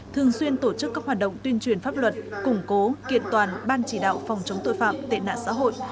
thường xuyên tổ chức các hoạt động tuyên truyền pháp luật củng cố kiện toàn ban chỉ đạo phòng chống tội phạm tệ nạn xã hội